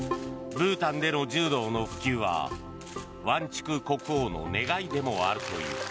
ブータンでの柔道の普及はワンチュク国王の願いでもあるという。